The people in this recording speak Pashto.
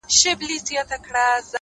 ځوان د پوره سلو سلگيو څه راوروسته،